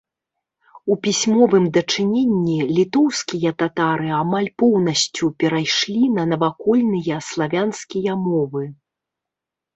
У пісьмовым дачыненні літоўскія татары амаль поўнасцю перайшлі на навакольныя славянскія мовы.